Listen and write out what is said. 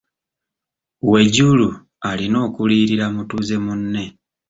Wejuru alina okuliyirira mutuuze munne.